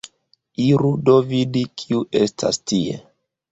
Iru do vidi, kiu estas tie.